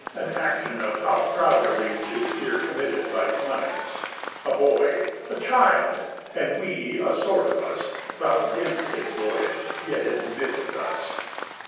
An action of how proud a reach Is here committed by Telemachus! A boy, a child, and we, a sort of us, Vow'd 'gainst his voyage, yet admit it thus!